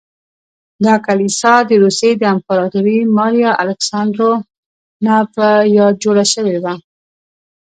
دا کلیسا د روسیې د امپراتورې ماریا الکساندرونا په یاد جوړه شوې وه.